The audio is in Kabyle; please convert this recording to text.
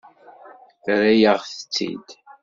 Terra-yaɣ-tt-id.